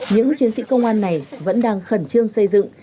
những chiến sĩ công an này vẫn đang khẩn trương xây dựng